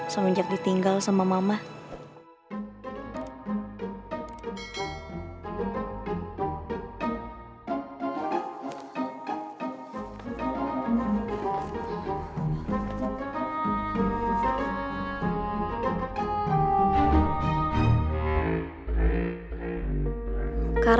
semenjak ditinggal sama mama